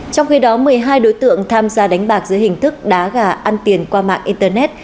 trong khi đó một mươi hai đối tượng tham gia đánh bạc dưới hình thức đá gà ăn tiền qua mạng internet